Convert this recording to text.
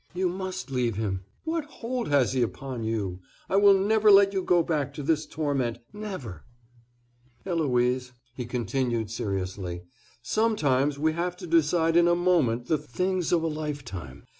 "You must leave him. What hold has he upon you? I will never let you go back to this torment,—never. Eloise," he continued seriously, "sometimes we have to decide in a moment the things of a life time.